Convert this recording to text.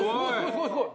すごいすごい！